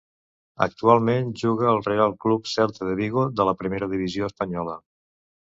Actualment juga al Real Club Celta de Vigo de la Primera divisió espanyola.